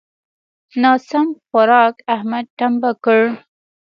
ناسم خوارک؛ احمد ټمبه کړ.